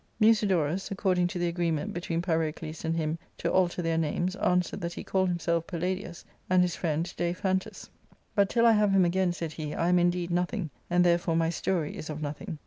(Musidorus, according to the agreement between^yrocles and ' him tp alter their names, answered that4te^"called himself Pallaoius, and his friend DaiphantusTJf But, till I have him again," said he, "I am indeed nothing, and therefore my story is of nothing.